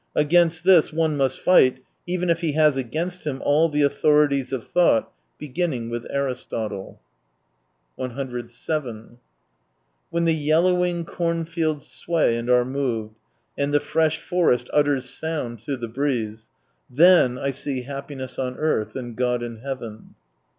Against this one must fight even if he has against him all the authorities of thought — beginning with Aristotle. 107 " When the yellowing corn fields sway and are moved, and the fresh forest utters sound to the breeze ... then I see happiness on earth, and God in heaven."